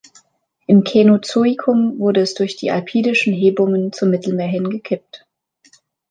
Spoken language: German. Im Känozoikum wurde es durch die alpidischen Hebungen zum Mittelmeer hin gekippt.